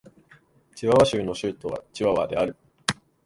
チワワ州の州都はチワワである